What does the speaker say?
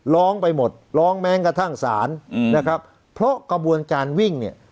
ร้องไปหมดร้องแม้กระทั่งศาลนะครับเพราะกระบวนการวิ่งเนี่ย